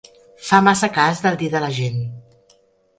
Fa massa cas del dir de la gent.